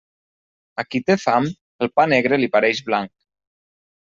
A qui té fam, el pa negre li pareix blanc.